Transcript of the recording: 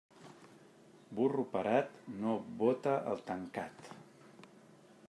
Burro parat no bota el tancat.